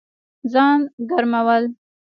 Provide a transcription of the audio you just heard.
ځان ګرمول